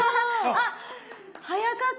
あ早かった。